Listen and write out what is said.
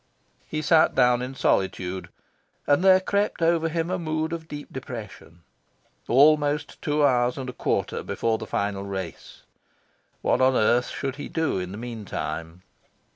He sat down in solitude; and there crept over him a mood of deep depression... Almost two hours and a quarter before the final races! What on earth should he do in the meantime?